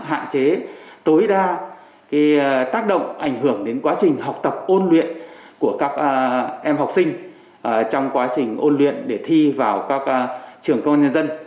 hạn chế tối đa tác động ảnh hưởng đến quá trình học tập ôn luyện của các em học sinh trong quá trình ôn luyện để thi vào các trường công an nhân dân